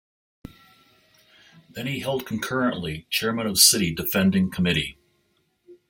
Then he held concurrently Chairman of City defending committee.